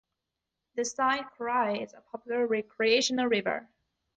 The Saint Croix is a popular recreational river.